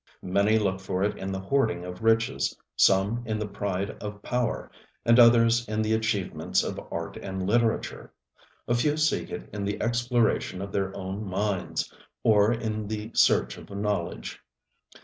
Many look for it in the hoarding of riches, some in the pride of power, and others in the achievements of art and literature; a few seek it in the exploration of their own minds, or in the search for knowledge.